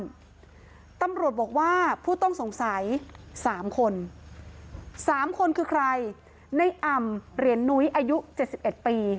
ของบ้านตำรวจบอกว่าผู้ต้องสงสัย๓คน๓คนคือใครในอำเรียนนุ้ยอายุ๗๑ปี